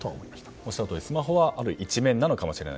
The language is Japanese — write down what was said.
おっしゃるようにスマホは一面なのかもしれない。